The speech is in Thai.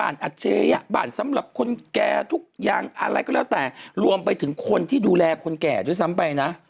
ล้อไลก็แล้วแต่รวมไปถึงคนที่ดูแลคนแก่ด้วยซ้ำไปนะ